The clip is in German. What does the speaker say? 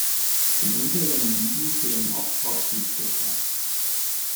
In unteren Ligen fehlen oft Hauptschiedsrichter.